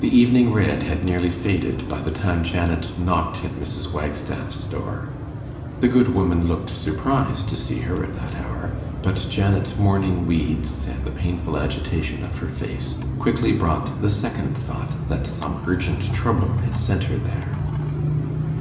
The evening red had nearly faded by the time Janet knocked at Mrs. Wagstaff's door. The good woman looked surprised to see her at that hour; but Janet's mourning weeds and the painful agitation of her face quickly brought the second thought, that some urgent trouble had sent her there.